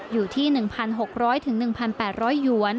อยู่ที่๑๖๐๐๑๘๐๐หยวน